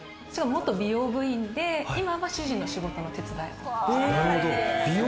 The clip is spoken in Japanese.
元美容部員で今は主人の仕事の手伝いをしています。